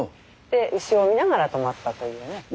で牛をみながら泊まったというね。